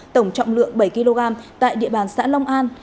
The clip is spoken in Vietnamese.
tổng trọng lượng bảy kg tại địa bàn xã long an